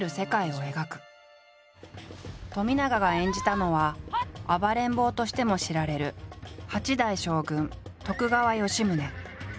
冨永が演じたのは「暴れん坊」としても知られる八代将軍徳川吉宗。